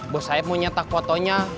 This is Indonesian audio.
bos saya mau nyetak fotonya